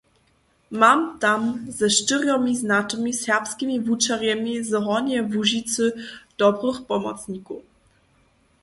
Mam tam ze štyrjomi znatymi serbskimi wučerjemi z Hornjeje Łužicy dobrych pomocnikow.